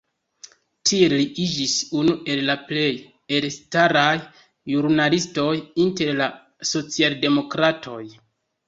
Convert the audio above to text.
Tiel li iĝis unu el la plej elstaraj ĵurnalistoj inter la socialdemokratoj.